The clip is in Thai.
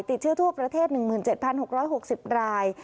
ติดเชื้อทั่วประเทศ๑๗๖๖๐ราย